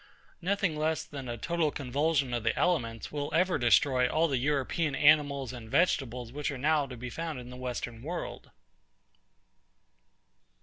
Nothing less than a total convulsion of the elements will ever destroy all the EUROPEAN animals and vegetables which are now to be found in the Western world.